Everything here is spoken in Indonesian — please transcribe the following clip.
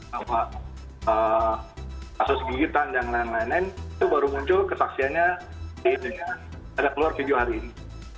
bahwa kasus gigitan dan lain lain itu baru muncul kesaksiannya agak keluar video hari ini